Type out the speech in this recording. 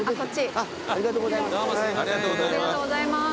ありがとうございます。